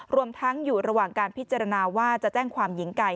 รวมทั้งอยู่ระหว่างการพิจารณาว่าจะแจ้งความหญิงไก่